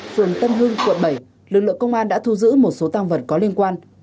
phường tân hưng quận bảy lực lượng công an đã thu giữ một số tăng vật có liên quan